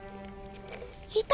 いた！